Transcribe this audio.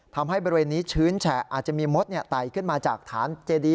ทำให้บริเวณนี้ชื้นแฉะอาจจะมีมดไต่ขึ้นมาจากฐานเจดี